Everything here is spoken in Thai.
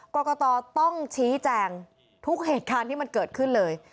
กรกตต้องชี้แจงทุกเหตุการณ์ที่มันเกิดขึ้นเลย